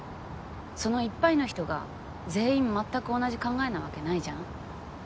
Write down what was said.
そのいっぱいの人が全員全く同じ考えなわけないじゃん？